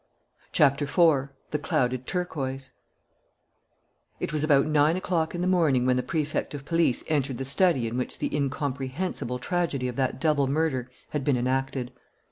CHAPTER FOUR THE CLOUDED TURQUOISE It was about nine o'clock in the morning when the Prefect of Police entered the study in which the incomprehensible tragedy of that double murder had been enacted.